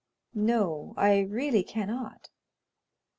"No, I really cannot."